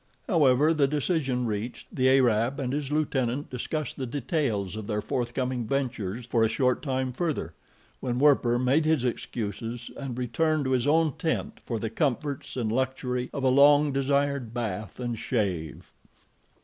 However, the decision reached, the Arab and his lieutenant discussed the details of their forthcoming ventures for a short time further, when Werper made his excuses and returned to his own tent for the comforts and luxury of a long desired bath and shave.